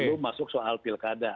itu masuk soal pilkada